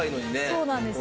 そうなんですよ。